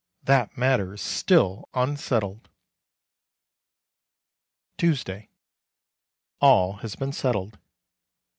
that matter is still unsettled! Tuesday. All has been settled.